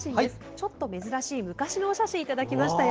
ちょっと珍しい昔のお写真をいただきました。